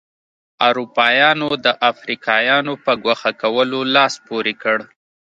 اروپایانو د افریقایانو په ګوښه کولو لاس پورې کړ.